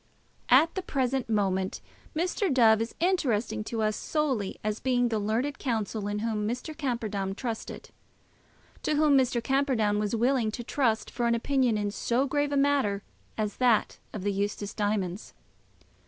At the present moment Mr. Dove is interesting to us solely as being the learned counsel in whom Mr. Camperdown trusted, to whom Mr. Camperdown was willing to trust for an opinion in so grave a matter as that of the Eustace diamonds.